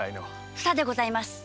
「ふさ」でございます。